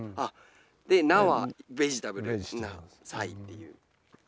で「菜」はベジタブルの「菜」っていう。